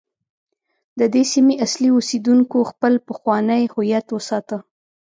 د دې سیمې اصلي اوسیدونکو خپل پخوانی هویت وساته.